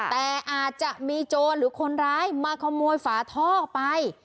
แต่อาจจะมีโจรหรือคนร้ายมาขโมยฝาท่อไป